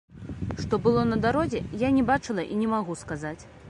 Што было на дарозе, я не бачыла і не магу сказаць.